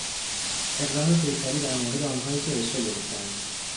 اقدام کیفری در مورد آنهایی که رشوه گرفتهاند